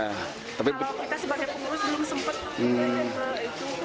kalau kita sebagai pengurus belum sempat ke itu